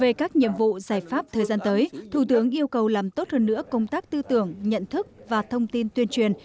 về các nhiệm vụ giải pháp thời gian tới thủ tướng yêu cầu làm tốt hơn nữa công tác tư tưởng nhận thức và thông tin tuyên truyền